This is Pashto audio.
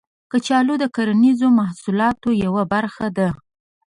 کچالو د کرنیزو محصولاتو یوه برخه ده